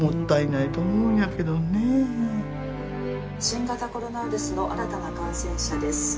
「新型コロナウイルスの新たな感染者です」。